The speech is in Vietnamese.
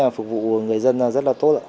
phục vụ người dân rất là tốt